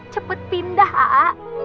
cepet pindah a'a